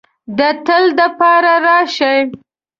د تل د پاره راشې